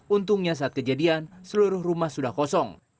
untungnya saat kejadian seluruh rumah sudah kosong